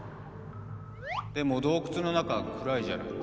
でも洞窟の中は暗いじゃないか。